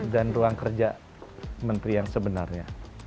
dan ruang kerja menteri yang sebenarnya